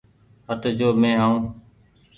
هٽ جو مينٚ آئونٚ